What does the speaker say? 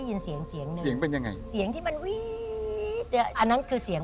คุณค่ะที่ฉันจะทำมา